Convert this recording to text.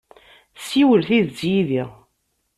Ssiwel tidet yid-i!